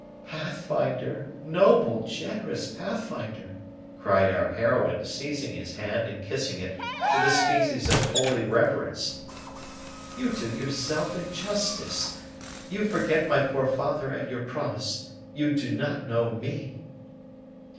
"Pathfinder! Noble, generous Pathfinder!" cried our heroine, seizing his hand and kissing it with a species of holy reverence; "You do yourself injustice you forget my poor father and your promise you do not know me!"